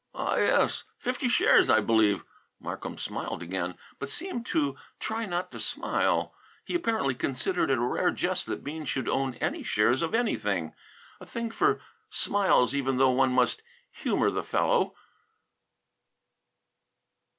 "Ah, yes, fifty shares, I believe." Markham smiled again, but seemed to try not to smile. He apparently considered it a rare jest that Bean should own any shares of anything; a thing for smiles even though one must humour the fellow.